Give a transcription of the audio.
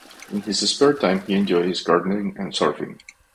In his spare time he enjoys gardening and surfing.